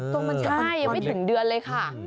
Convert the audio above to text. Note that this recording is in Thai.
ตรงมันใช่ยังไม่ถึงเดือนเลยค่ะ